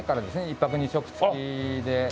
１泊２食付きで。